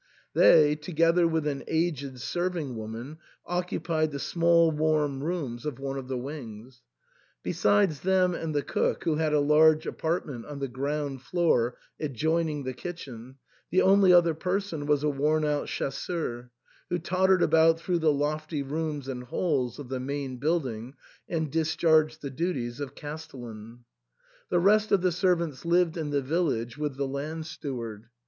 They, together with an aged serving woman, occupied the small warm rooms of one of the wings ; besides them and the cook, who had a large apartment on the ground floor adjoining the kitchen, the only other person was a worn out chasseuTy who tottered about through the lofty rooms and halls of the main building, and discharged the duties of castellan. The rest of the servants lived in the village with the land steward.